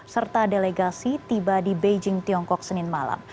serta delegasi tiba di beijing tiongkok senin malam